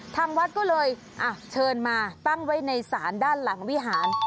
ทางวัดก็เลยเชิญมาตั้งไว้ในศาลด้านหลังวิหาร